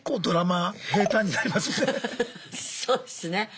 そうですね。